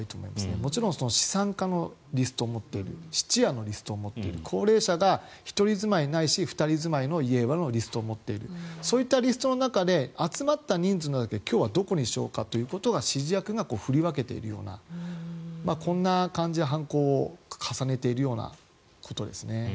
もちろん資産家のリストを持っている質屋のリストを持っている高齢者が１人住まいないしは２人住まいのリストを持っているそういったリストの中で集まった人数の中で今日はどこにしようかということを指示役が振り分けているようなこんな感じで犯行を重ねているようなことですね。